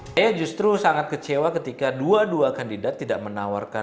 saya justru sangat kecewa ketika dua dua kandidat tidak menawarkan